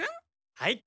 はい。